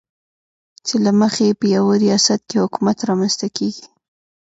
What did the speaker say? چې له مخې یې په یوه ریاست کې حکومت رامنځته کېږي.